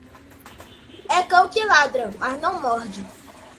É cão que ladra, mas não morde.